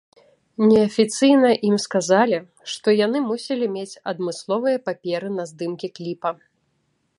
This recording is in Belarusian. Неафіцыйна ім сказалі, што яны мусілі мець адмысловыя паперы на здымкі кліпа.